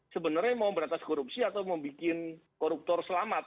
sebenarnya mau beratas korupsi atau membuat koruptor selamat